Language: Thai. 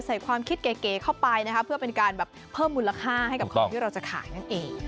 ความคิดเก๋เข้าไปนะคะเพื่อเป็นการแบบเพิ่มมูลค่าให้กับของที่เราจะขายนั่นเอง